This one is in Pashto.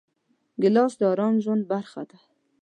ګیلاس د ارام ژوند برخه ده.